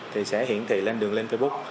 thì sẽ hiển thị lên đường link facebook